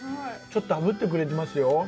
ちょっと炙ってくれてますよ。